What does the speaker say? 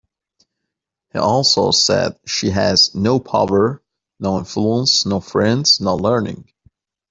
He also said She has no power, no influence, no friends, no learning.